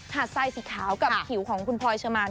หัสไซส์สีขาวกับผิวของคุณพลอยเชิมาน